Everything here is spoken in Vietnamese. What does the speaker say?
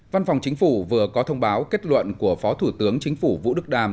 văn phòng chính phủ vừa có thông báo kết luận của phó thủ tướng chính phủ vũ đức đàm